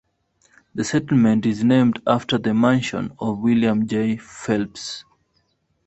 The settlement is named after the mansion of William J. Phelps.